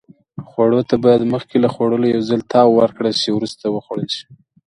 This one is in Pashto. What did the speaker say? خوړو ته باید مخکې له خوړلو یو ځل تاو ورکړل شي. وروسته وخوړل شي.